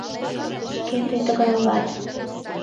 — Шке тый тыгай улат!